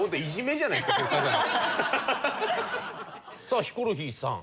さあヒコロヒーさん。